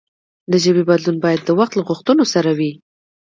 د ژبې بدلون باید د وخت له غوښتنو سره وي.